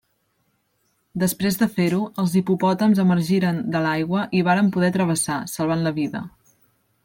Després de fer-ho, els hipopòtams emergiren de l’aigua, i varen poder travessar, salvant la vida.